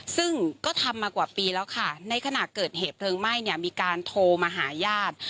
ซึ่งก็ทำมากว่าปีแล้วค่ะในขณะเกิดเหตุเพลิงไหม้เนี่ยมีการโทรมาหาญาติ